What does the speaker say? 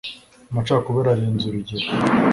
Amacakubiri arenze urugero